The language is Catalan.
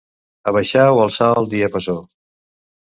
Abaixar o alçar el diapasó.